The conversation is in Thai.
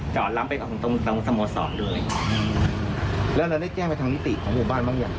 ล้ำไปกับตรงตรงสโมสรเลยอืมแล้วเราได้แจ้งไปทางนิติของหมู่บ้านบ้างยัง